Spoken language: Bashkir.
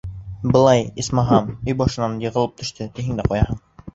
Былай, исмаһам, өй башынан йығылып төштө, тиһең дә ҡуяһың.